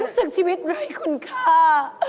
รู้สึกชีวิตเลยคุณค่า